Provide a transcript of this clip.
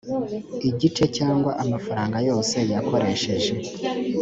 igice cyangwa amafaranga yose yakoresheje